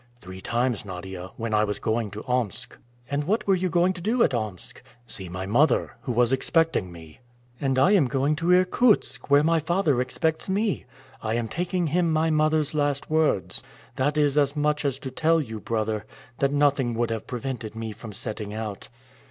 "Three times, Nadia, when I was going to Omsk." "And what were you going to do at Omsk?" "See my mother, who was expecting me." "And I am going to Irkutsk, where my father expects me. I am taking him my mother's last words. That is as much as to tell you, brother, that nothing would have prevented me from setting out."